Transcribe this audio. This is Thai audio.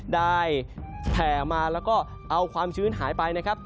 แผ่มาแล้วก็เอาความชื้นหายไปนะครับ